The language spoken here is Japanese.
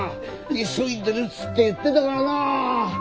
急いでるっつって言ってたからな！